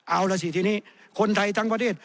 เอาล่ะสิทีนี้คนไทยทั้งประเทศ